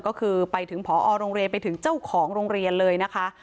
ก็คือไปถึงพอโรงเรียนไปถึงเจ้าของโรงเรียนเลยนะคะ